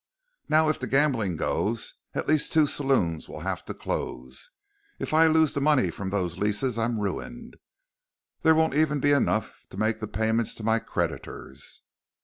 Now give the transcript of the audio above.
Now if the gambling goes, at least two saloons will have to close. If I lose the money from those leases, I'm ruined. There won't even be enough even to make the payments to my creditors."